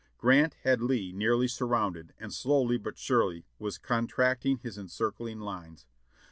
Grant had Lee nearly surrounded and slowly but surely was contracting his encircling lines.